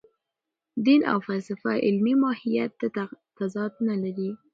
دین او فلسفه علمي ماهیت کې تضاد نه لري.